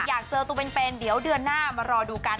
อยากเจอตัวเป็นเดี๋ยวเดือนหน้ามารอดูกัน